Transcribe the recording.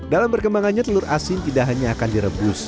dalam perkembangannya telur asin tidak hanya akan direbus